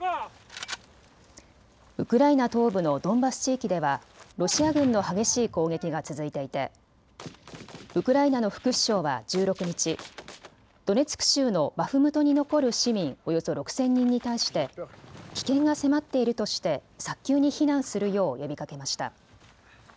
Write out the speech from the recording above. ウクライナ東部のドンバス地域ではロシア軍の激しい攻撃が続いていてウクライナの副首相は１６日、ドネツク州のバフムトに残る市民およそ６０００人に対して危険が迫っているとして早急に避難するよう呼びかけました。